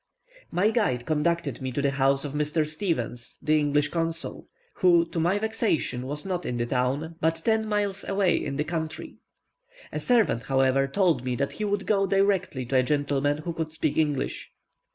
My guide conducted me to the house of Mr. Stevens, the English consul, who, to my vexation, was not in the town, but ten miles away in the country. A servant, however, told me that he would go directly to a gentleman who could speak English.